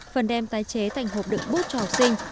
phần đem tái chế thành hộp đựng bút trò xinh